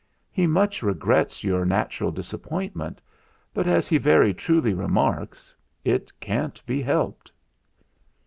He much regrets your natural disappointment, but, as he very truly remarks, 'it can't be helped.'